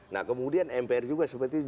nah kemudian mpr juga seperti itu